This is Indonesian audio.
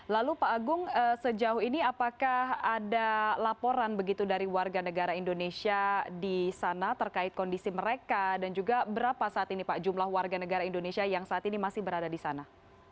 lalu pak agung sejauh ini apakah ada laporan begitu dari warga negara indonesia di sana terkait kondisi mereka dan juga berapa saat ini pak jumlah warga negara indonesia yang saat ini masih berada di sana